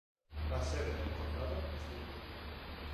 La sede del condado es Butte.